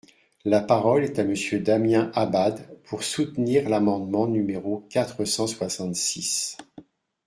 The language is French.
La parole est à Monsieur Damien Abad, pour soutenir l’amendement numéro quatre cent soixante-six.